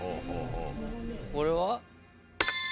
これは？